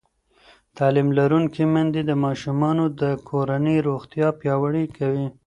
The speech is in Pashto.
تعلیم لرونکې میندې د ماشومانو د کورنۍ روغتیا پیاوړې کوي.